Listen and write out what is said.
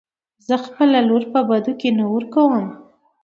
زه خپله لور په بدو کې نه ورکم .